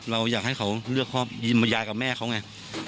เราอยากให้เขาเลือกครอบครัวยายกับแม่เขาไง